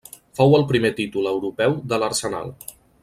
Fou el primer títol europeu de l'Arsenal.